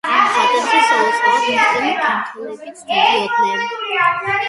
ამ ხატებზე სალოცავად მუსლიმი ქართველებიც დადიოდნენ.